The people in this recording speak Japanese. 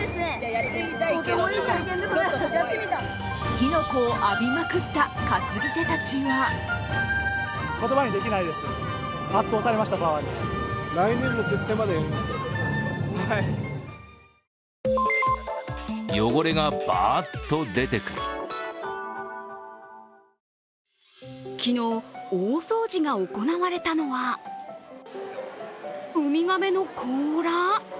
火の粉を浴びまくった担ぎ手たちは昨日、大掃除が行われたのは海亀の甲羅？